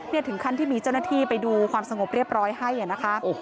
ถึงขั้นที่มีเจ้าหน้าที่ไปดูความสงบเรียบร้อยให้นะคะ